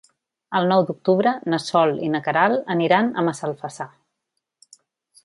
El nou d'octubre na Sol i na Queralt aniran a Massalfassar.